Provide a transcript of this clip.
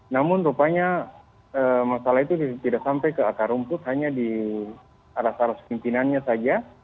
namun rupanya masalah itu tidak sampai ke akar rumput hanya di arah arah sepimpinannya saja